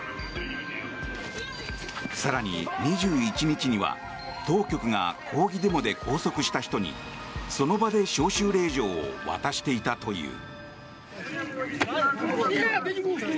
更に２１日には当局が抗議デモで拘束した人にその場で招集令状を渡していたという。